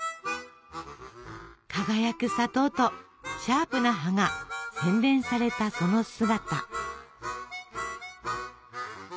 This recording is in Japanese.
輝く砂糖とシャープな葉が洗練されたその姿。